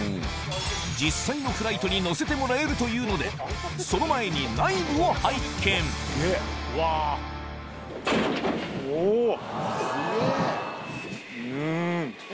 実際のフライトに乗せてもらえるというのでその前に内部を拝見ヌン。